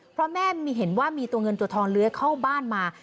เพราะแม่เห็นว่ามีตัวเงินตัวทองเลื้อยเข้าบ้านมา